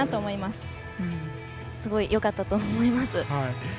すごいよかったと思います。